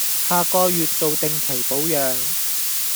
下個月做定期保養